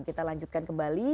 kita lanjutkan kembali